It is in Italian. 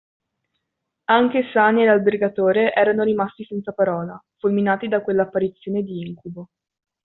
Anche Sani e l’albergatore erano rimasti senza parola, fulminati da quella apparizione di incubo.